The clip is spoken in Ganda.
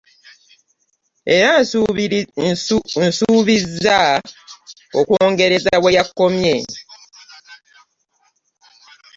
Era, nsuubiza okwongereza we yakomye.